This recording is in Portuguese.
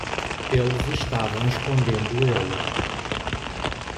Eles estavam escondendo ele.